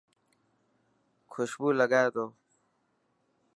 خوشبو لگائي تو.